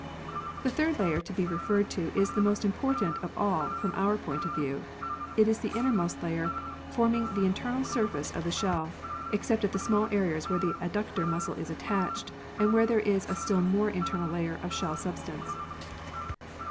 The third layer to be referred to is the most important of all from our point of view. It is the innermost layer, forming the internal surface of the shell, except at the small areas where the adductor muscle is attached and where there is a still more internal layer of shell substance.